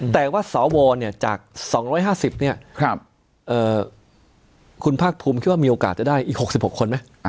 แต่ว่าสวจาก๒๕๐เนี่ยคุณภาคภูมิคิดว่ามีโอกาสจะได้อีก๖๖คนไหม